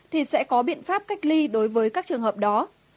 thì sẽ có biện pháp cách ly đối với các trường hợp đó